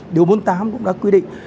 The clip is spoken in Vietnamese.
điều bốn mươi tám cũng đã quy định